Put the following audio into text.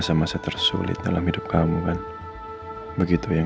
sengaja aku bawa aku ke laut ya